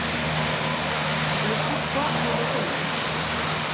Le pourquoi et le comment.